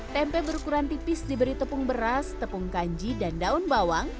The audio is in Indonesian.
tempe berukuran tipis diberi tepung beras tepung kanji dan daun bawang